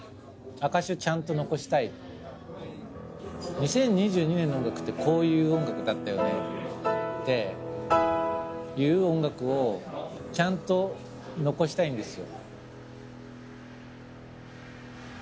２０２２年の音楽ってこういう音楽だったよねっていう音楽をちゃんと残したいんですよ。